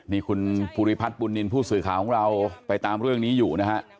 นี่คุณภูริพัฒน์บุญนินทร์ผู้สื่อข่าวของเราไปตามเรื่องนี้อยู่นะฮะ